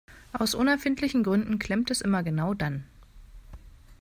Aus unerfindlichen Gründen klemmt es immer genau dann.